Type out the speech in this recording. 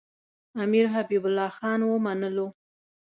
امیر حبیب الله خان ومنلو.